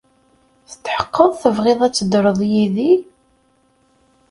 Tetḥeqqeḍ tebɣiḍ ad teddreḍ yid-i?